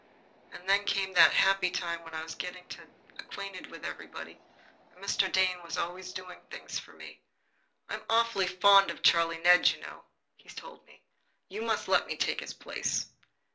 And then came that happy time when I was getting acquainted with everybody, and Mr. Dane was always doing things for me. "I'm awfully fond of Charlie Ned, you know," he told me. "You must let me take his place."